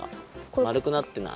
まるくなってない？